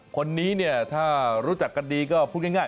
คนนี้เนี่ยถ้ารู้จักกันดีก็พูดง่าย